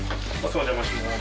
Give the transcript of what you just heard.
お邪魔します。